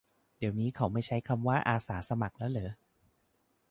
เดี๋ยวนี้เขาไม่ใช้คำว่า "อาสาสมัคร" แล้วเหรอ